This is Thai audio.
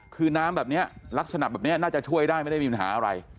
คือน้ำแบบนี้ลักษณะแบบนี้น่าจะช่วยได้ไม่ได้มีปัญหาอะไร